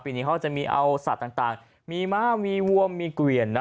ปีนี้เขาจะเอาสัตว์ต่างมีหมามมมอัมาดตร์ที่กระทิแพวน